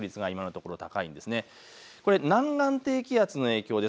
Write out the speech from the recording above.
これ南岸低気圧の影響です。